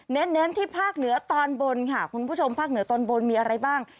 เน้นที่ภาคเหนือตอนบนค่ะคุณผู้ชมภาคเหนือตอนบนมีอะไรบ้าง